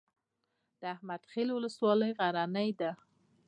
د احمد خیل ولسوالۍ غرنۍ ده